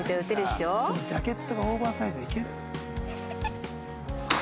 ジャケットがオーバーサイズでいける？